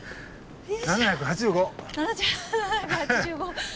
７８５。